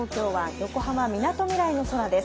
横浜みなとみらいです。